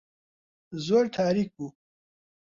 زۆر تاریک بوو.